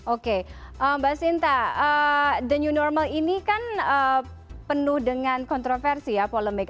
oke mbak sinta the new normal ini kan penuh dengan kontroversi ya polemik